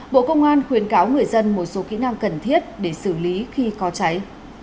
bộ công an khuyến cáo người dân một số kỹ năng cần thiết để xử lý khi có cháy